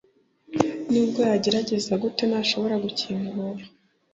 nubwo yagerageza gute, ntashobora gukingura